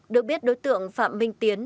được biết đối tượng phạm minh tiến